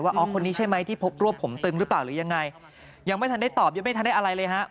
อ๋อคนนี้ใช่ไหมที่พกรวบผมตึงหรือเปล่าหรือยังไงยังไม่ทันได้ตอบยังไม่ทันได้อะไรเลยฮะ